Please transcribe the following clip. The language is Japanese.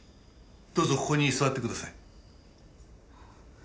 どうぞここに座ってください。